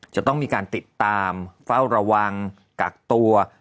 จะต้องมีการติดตามเฝ้าระวังกักตัว